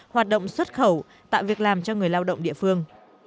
hoạt động xuất khẩu tạo việc làm cho người lao động địa phương